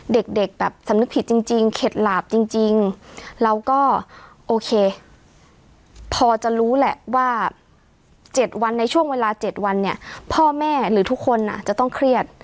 เด็กแบบสำนึกผิดจริงเข็ดหลาบจริงเราก็โอเคพอจะรู้แหละว่า๗วันในช่วงเวลา๗วันเนี่ยพ่อแม่หรือทุกคนจะต้องเครียด